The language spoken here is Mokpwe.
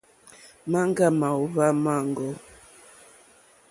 Maŋga màòhva maŋgɔ.